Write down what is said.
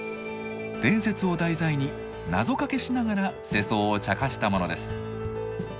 伝説を題材に謎かけしながら世相をちゃかしたものです。